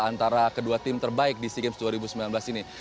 antara kedua tim terbaik di sea games dua ribu sembilan belas ini